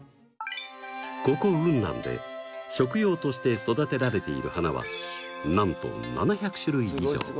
ここ雲南で食用として育てられている花はなんと７００種類以上。